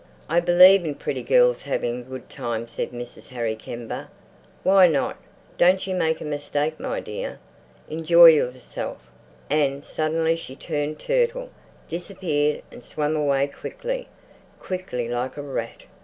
"I believe in pretty girls having a good time," said Mrs. Harry Kember. "Why not? Don't you make a mistake, my dear. Enjoy yourself." And suddenly she turned turtle, disappeared, and swam away quickly, quickly, like a rat.